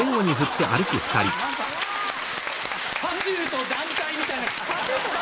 何かパシュート団体みたいな。